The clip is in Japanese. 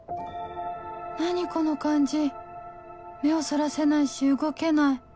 何この感じ目をそらせないし動けない